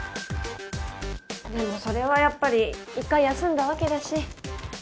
でもそれはやっぱり一回休んだわけだし。